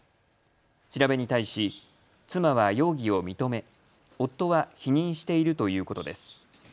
調べに対し妻は容疑を認め夫は否認しているということです。